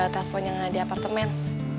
telepon yang ada di apartemen